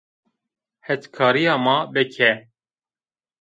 Hetkarîya ma bike